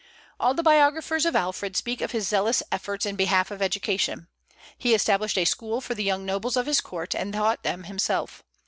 All the biographers of Alfred speak of his zealous efforts in behalf of education. He established a school for the young nobles of his court, and taught them himself.